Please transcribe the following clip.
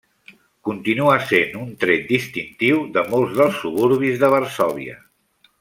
Continua sent un tret distintiu de molts dels suburbis de Varsòvia.